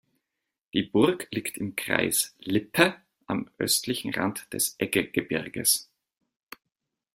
Die Burg liegt im Kreis Lippe am östlichen Rand des Eggegebirges.